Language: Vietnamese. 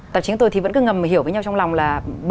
tập chính tôi thì vẫn cứ ngầm hiểu với nhau trong lòng là